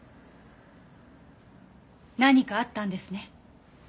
何かあったんですね？